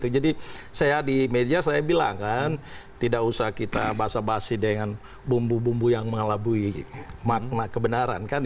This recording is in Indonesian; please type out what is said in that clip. jadi di media saya bilang kan tidak usah kita basa basi dengan bumbu bumbu yang mengalabui kebenaran